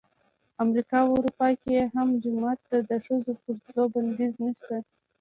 امریکا او اروپا کې هم جومات ته د ښځو پر تلو بندیز نه شته.